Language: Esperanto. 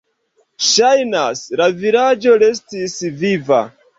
Ŝajnas, la vilaĝo restis viva.